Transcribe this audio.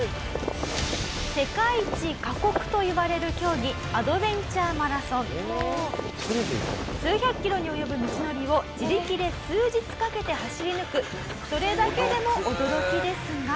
世界一過酷といわれる競技数百キロに及ぶ道のりを自力で数日かけて走り抜くそれだけでも驚きですが。